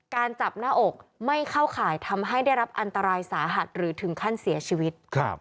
จับหน้าอกไม่เข้าข่ายทำให้ได้รับอันตรายสาหัสหรือถึงขั้นเสียชีวิต